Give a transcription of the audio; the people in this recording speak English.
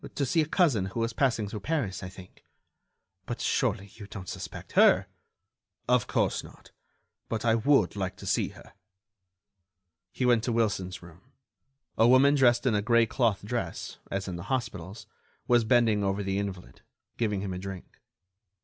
to see a cousin who was passing through Paris, I think. But, surely, you don't suspect her?" "Of course not ... but I would like to see her." He went to Wilson's room. A woman dressed in a gray cloth dress, as in the hospitals, was bending over the invalid, giving him a drink.